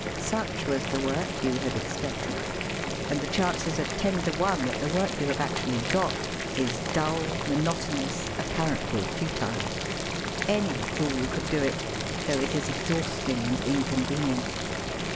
Such was the work you had expected, and the chances are ten to one that the work you have actually got is dull, monotonous, apparently futile ; any fool could do it, though it is exhausting and inconvenient.